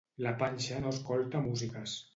La panxa no escolta músiques.